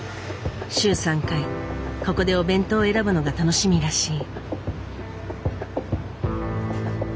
週３回ここでお弁当を選ぶのが楽しみらしい。